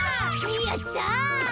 やった！